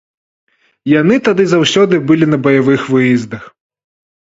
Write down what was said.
Яны тады заўсёды былі на баявых выездах.